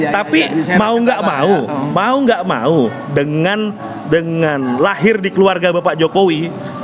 tapi mau gak mau dengan dengan lahir di keluarga bapak jokowi